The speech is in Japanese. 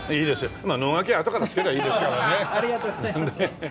まあ能書きはあとからつけりゃいいですからね。